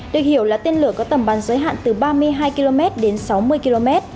được hiểu là tên lửa có tầm bắn giới hạn từ ba mươi hai km đến sáu mươi km